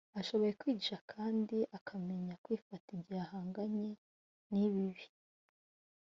ashoboye kwigisha kandi akamenya kwifata igihe ahanganye n ibibi